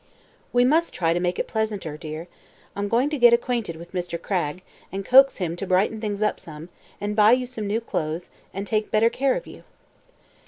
"We must try to make it pleasanter, dear. I'm going to get acquainted with Mr. Cragg and coax him to brighten things up some, and buy you some new clothes, and take better care of you."